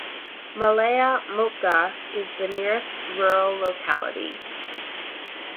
Malaya Mochga is the nearest rural locality.